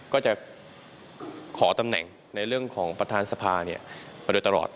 ก็จะขอตำแหน่งในเรื่องของประธานสภามาโดยตลอด